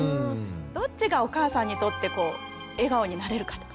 どっちがお母さんにとってこう笑顔になれるかとか。